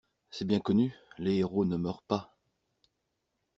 C’est bien connu, les héros ne meurent pas.